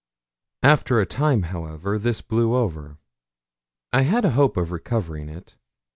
After a time, however, this blew over. I had a hope of recovering it.